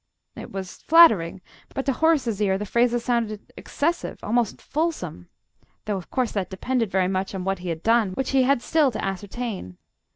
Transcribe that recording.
It was flattering, but to Horace's ear the phrases sounded excessive, almost fulsome though, of course, that depended very much on what he had done, which he had still to ascertain.